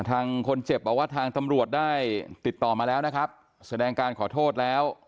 ทางคนเจ็บบอกว่าทางตำรวจได้ติดต่อมาแล้วนะครับแสดงการขอโทษแล้ว